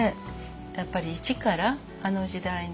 やっぱり一からあの時代の人をね